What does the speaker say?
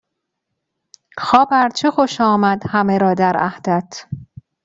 خواب ارچه خوش آمد همه را در عهدت